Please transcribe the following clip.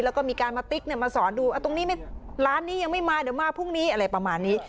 แล้วก็มีการมาติ๊กมาสอนดูตรงนี้ร้านนี้ยังไม่มาเดี๋ยวมาพรุ่งนี้อะไรประมาณนี้